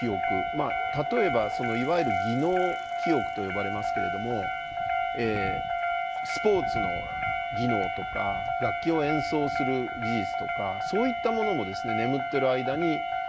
例えばいわゆる技能記憶と呼ばれますけれどもスポーツの技能とか楽器を演奏する技術とかそういったものも眠ってる間によくなるということが分かってるんですね。